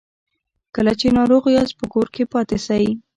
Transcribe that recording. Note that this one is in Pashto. کله چې ناروغ یاست په کور کې پاتې سئ